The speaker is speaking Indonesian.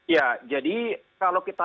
ya jadi kalau kita